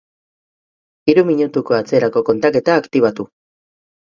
Hiru minutuko atzerako kontaketa aktibatu.